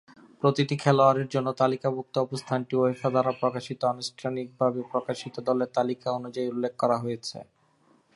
প্রতিটি খেলোয়াড়ের জন্য তালিকাভুক্ত অবস্থানটি উয়েফা দ্বারা প্রকাশিত আনুষ্ঠানিকভাবে প্রকাশিত দলের তালিকা অনুযায়ী উল্লেখ করা হয়েছে।